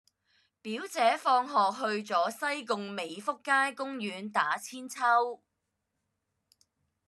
表姐放學去左西貢美福街公園打韆鞦